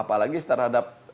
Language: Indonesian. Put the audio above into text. apalagi terhadap pemberian remisi